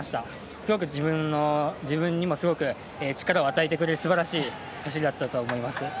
すごく自分にも力を与えてくれるすばらしい走りだったと思います。